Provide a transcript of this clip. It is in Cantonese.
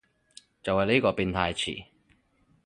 就係呢個變態詞